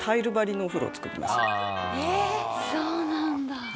そうなんだ。